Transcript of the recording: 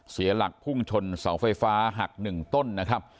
เสียหลักพุ่งชนเสาไฟฟ้าหักหนึ่งต้นนะครับ